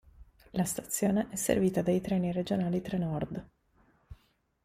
La stazione è servita dai treni regionali Trenord.